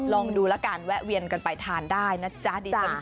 ลองดูแล้วกันแวะเวียนกันไปทานได้นะจ๊ะดีจัง